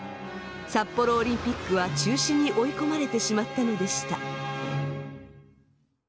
札幌オリンピックは中止に追い込まれてしまったのでした。